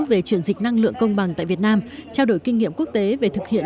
về chuyển dịch năng lượng công bằng tại việt nam trao đổi kinh nghiệm quốc tế về thực hiện